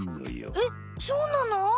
えっそうなの？